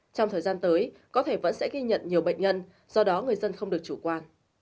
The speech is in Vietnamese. trong thời gian tới có thể vẫn sẽ ghi nhận nhiều bệnh nhân do đó người dân không được chủ quan